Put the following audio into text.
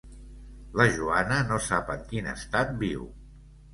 La Joana no sap en quin estat viu.